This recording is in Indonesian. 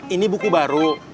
ini buku baru